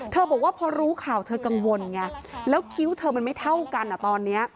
บอกว่าพอรู้ข่าวเธอกังวลไงแล้วคิ้วเธอมันไม่เท่ากันตอนนี้